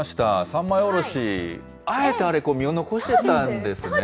三枚おろし、あえて身を残してたんですね。